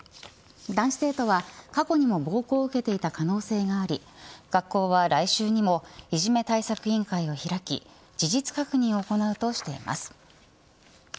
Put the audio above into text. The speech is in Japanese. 男子生徒は過去にも暴行を受けていた可能性があり学校は来週にもいじめ対策委員会を開き事実確認を行うとしています。